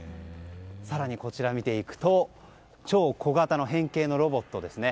更に、見ていくと超小型の変形ロボットですね。